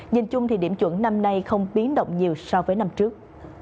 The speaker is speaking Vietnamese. nhìn chung thì điểm chuẩn năm nay không biến động nhiều so với năm trước